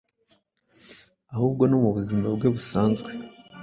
ahubwo no mu buzima bwe busanzwe,